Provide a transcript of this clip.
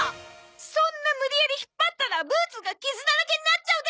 そんな無理やり引っ張ったらブーツが傷だらけになっちゃうでしょ！